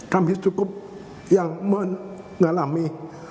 kami cukup yang mengalami